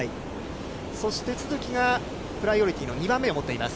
そして都筑がプライオリティーの２番目を持っています。